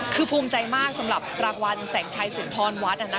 คือภูมิใจมากสำหรับรางวัลแสงชัยสุนทรวัด